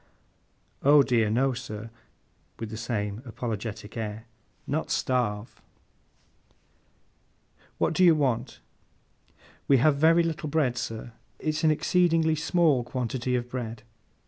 'Oh dear no, sir,' with the same apologetic air. 'Not starve.' 'What do you want?' 'We have very little bread, sir. It's an exceedingly small quantity of bread.